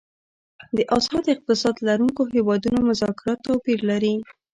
د آزاد اقتصاد لرونکو هیوادونو مذاکرات توپیر لري